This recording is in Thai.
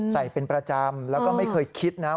เป็นประจำแล้วก็ไม่เคยคิดนะ